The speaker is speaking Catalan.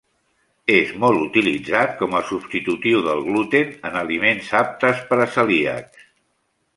És molt utilitzat com a substitutiu del gluten en aliments aptes per a celíacs.